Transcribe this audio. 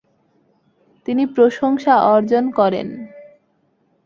তিনি প্রশংসা অর্জন করেন।